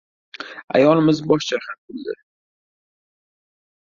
Ayolimiz bosh chayqab kuldi.